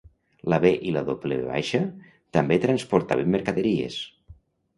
La B i la W també transportaven mercaderies.